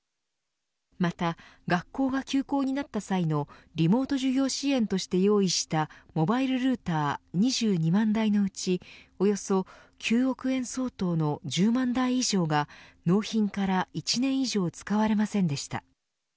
また学校が休校になった際のリモート授業支援として用意したモバイルルーター２２万台のうちおよそ９億円相当の１０万台以上が納品から１年以上使われませんでした。